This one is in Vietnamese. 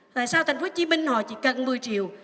tại sao thành phố hồ chí minh họ chỉ cần một mươi triệu